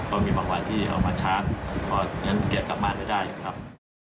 ก็มีบางวันที่เขามันชาร์จเพราะฉะนั้นก็เกลียดกลับมาได้ครับ